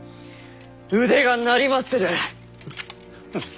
腕が鳴りまする。